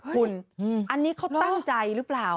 คุณอันนี้เขาตั้งใจหรือเปล่า